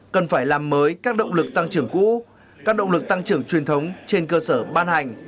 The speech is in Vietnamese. cần phải làm mới các động lực tăng trưởng cũ các động lực tăng trưởng truyền thống trên cơ sở ban hành